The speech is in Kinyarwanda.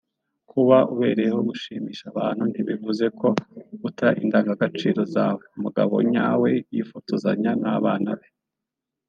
Kuba ubereyeho gushimisha abantu ntibivuze ko uta indangagaciro zawe […] Umugabo nyawe yifotozanya n’abana be